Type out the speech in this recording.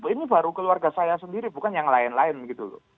ini baru keluarga saya sendiri bukan yang lain lain gitu loh